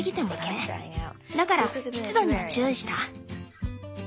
だから湿度には注意した。